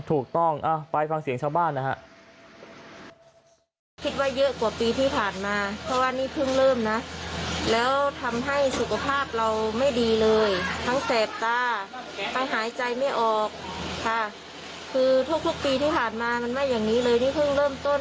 ถูกต้องไปฟังเสียงชาวบ้านนะฮะ